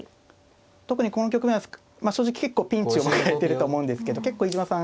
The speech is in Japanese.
特にこの局面はまあ正直結構ピンチを迎えてると思うんですけど結構飯島さん